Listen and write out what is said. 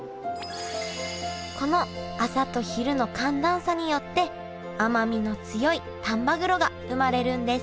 この朝と昼の寒暖差によって甘みの強い丹波黒が生まれるんです